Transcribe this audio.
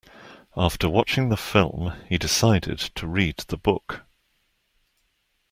After watching the film, he decided to read the book.